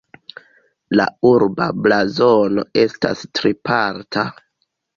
La urba blazono estas triparta.